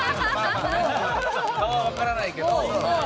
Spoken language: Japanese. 顔は分からないけど。